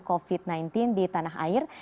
covid sembilan belas di tanah air